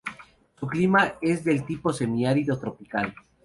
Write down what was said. Su clima es del tipo semi-árido tropical.